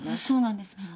そうなんです。